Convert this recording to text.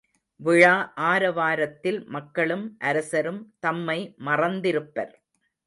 விழா ஆரவாரத்தில் மக்களும் அரசரும் தம்மை மறந்திருப்பர்.